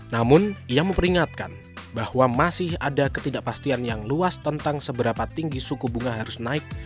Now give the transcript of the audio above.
namun ia memperingatkan bahwa masih ada ketidakpastian yang luas tentang seberapa tinggi suku bunga harus naik